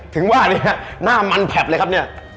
ถึงว่าเนี่ยหน้ามันแผบเลยครับเนี่ย